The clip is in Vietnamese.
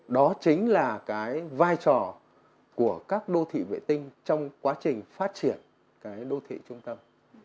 đó chính là cái vai trò của các đô thị vệ tinh trong quá trình phát triển cái đô thị trung tâm